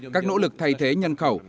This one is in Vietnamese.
các nỗ lực thay thế nhân khẩu